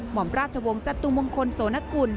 หมอมราชวงศ์จตุมงคลโสนกุล